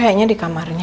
kayaknya di kamarnya